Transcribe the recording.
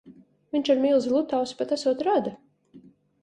Viņš ar milzi Lutausi pat esot rada.